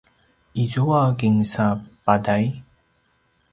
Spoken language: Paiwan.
izua kinsa paday?